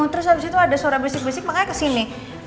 terus abis itu ada suara besik besik makanya kesini